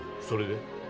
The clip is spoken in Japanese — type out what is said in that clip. それで？